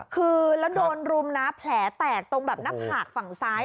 คือแล้วโดนรุมนะแผลแตกตรงแบบหน้าผากฝั่งซ้าย